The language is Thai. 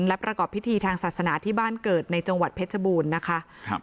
และประกอบพิธีทางศาสนาที่บ้านเกิดในจังหวัดเพชรบูรณ์นะคะครับ